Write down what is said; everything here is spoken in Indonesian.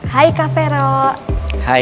hai kak vero hai